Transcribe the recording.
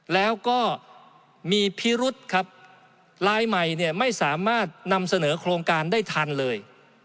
แล้วก็มีพิรุษครับลายใหม่เนี่ยไม่สามารถนำเสนอโครงการได้ทันเลย